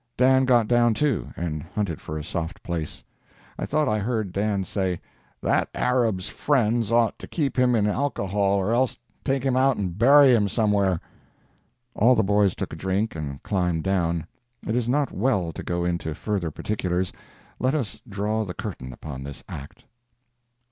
Dan got down too, and hunted for a soft place. I thought I heard Dan say, "That Arab's friends ought to keep him in alcohol or else take him out and bury him somewhere." All the boys took a drink and climbed down. It is not well to go into further particulars. Let us draw the curtain upon this act.